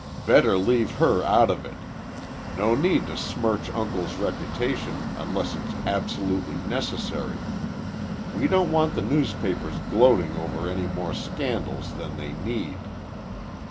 "Better leave her out of it. No need to smirch Uncle's reputation unless it's absolutely necessary. We don't want the newspapers gloating over any more scandals than they need."